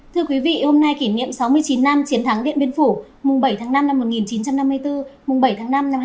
thưa quý vị hôm nay kỷ niệm sáu mươi chín năm chiến thắng điện biên phủ mùng bảy tháng năm năm một nghìn chín trăm năm mươi bốn mùng bảy tháng năm năm hai nghìn hai mươi